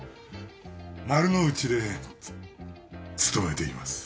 丸の内でつ勤めています。